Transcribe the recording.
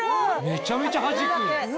めちゃめちゃはじく！